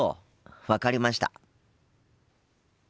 分かりました。